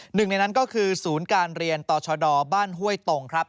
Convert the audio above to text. หนึ่งในนั้นก็คือศูนย์การเรียนต่อชดบ้านห้วยตรงครับ